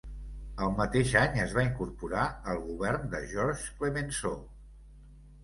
El mateix any es va incorporar al govern de Georges Clemenceau.